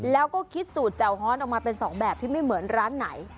แล้วก็คิดสูตรแจ่วฮ้อนออกมาเป็นสองแบบที่ไม่เหมือนร้านไหน